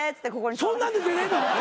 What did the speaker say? そんなんで出れんの？